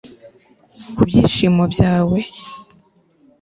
ku byishimo byawe